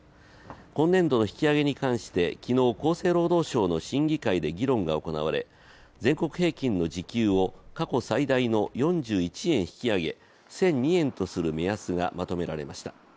今年度の引き上げに関して昨日厚生労働省の審議会で議論が行われ、全国平均の時給を過去最大の４１円引き上げ１００２円とするとまとめました。